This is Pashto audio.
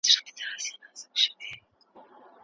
فارابي د افلاطون په څېر نظريات درلودل.